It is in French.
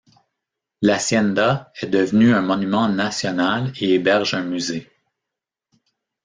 L'hacienda est devenue un monument national et héberge un musée.